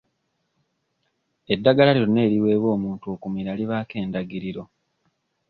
Eddagala lyonna eriweebwa omuntu okumira libaako endagiriro.